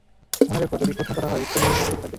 মনে রেখ, যদি প্রশ্ন করা হয়, উত্তর নিয়ে প্রস্তুত থাকবে।